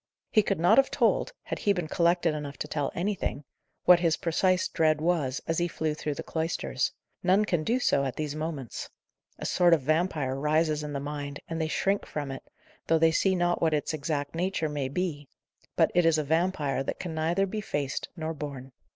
He could not have told (had he been collected enough to tell anything) what his precise dread was, as he flew through the cloisters. None can do so, at these moments. A sort of vampire rises in the mind, and they shrink from it, though they see not what its exact nature may be; but it is a vampire that can neither be faced nor borne.